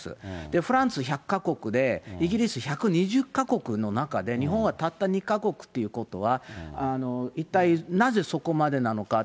フランス１００か国で、イギリス１２０か国の中で、日本はたった２か国ということは、一体なぜ、そこまでなのかと。